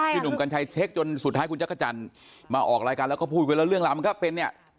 หนุ่มกัญชัยเช็คจนสุดท้ายคุณจักรจันทร์มาออกรายการแล้วก็พูดไว้แล้วเรื่องราวมันก็เป็นเนี่ย